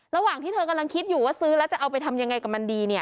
ระหว่างที่เธอกำลังคิดอยู่ว่าซื้อแล้วจะเอาไปทำยังไงกับมันดีเนี่ย